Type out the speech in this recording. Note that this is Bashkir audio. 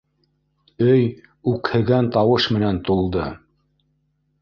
Өй үкһегән тауыш менән тулды.